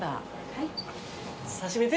はい。